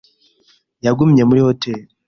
Yagumye muri hoteri.